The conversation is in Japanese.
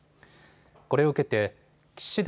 これを受けて岸田